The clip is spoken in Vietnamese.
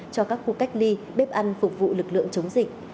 cho các khu cách ly bếp ăn phục vụ lực lượng chống dịch